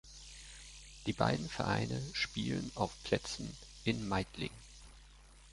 Die beiden Vereine spielen auf Plätzen in Meidling.